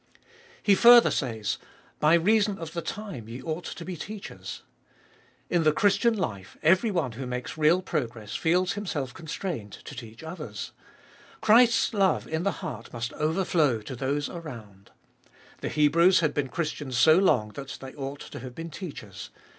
He further says, By reason of the time ye ought to be teachers. In the Christian life every one who makes real progress feels himself constrained to teach others. Christ's love in the heart must overflow to those around. The Hebrews had been Christians so long that they ought to have been teachers.